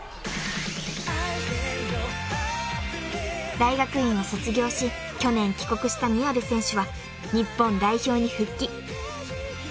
［大学院を卒業し去年帰国した宮部選手は日本代表に復帰］